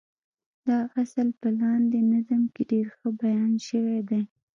دا اصل په لاندې نظم کې ډېر ښه بيان شوی دی.